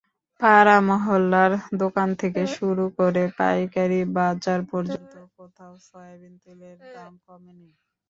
পাড়া-মহল্লার দোকান থেকে শুরু করে পাইকারি বাজার পর্যন্ত কোথাও সয়াবিন তেলের দাম কমেনি।